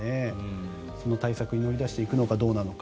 その対策に乗り出していくのかどうなのか。